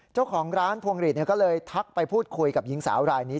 เจ้าของร้านพวงหลีดก็เลยทักไปพูดคุยกับหญิงสาวรายนี้